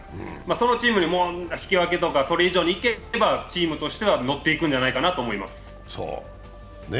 そのチームに引き分けとかそれ以上にいければチームとしてはのっていくんじゃないかなと思います。